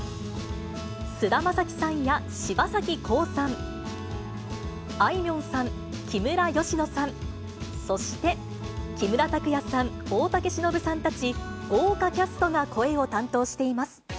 菅田将暉さんや柴咲コウさん、あいみょんさん、木村佳乃さん、そして、木村拓哉さん、大竹しのぶさんたち、豪華キャストが声を担当しています。